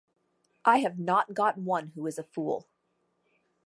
I have not got one who is a fool.